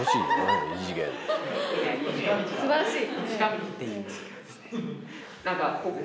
すばらしい。